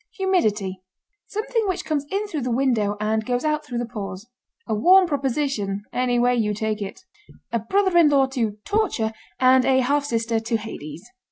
HUMIDITY. Something which comes in through the window and goes out through the pores. A warm proposition any way you take it. A brother in law to Torture and a half sister to Hades.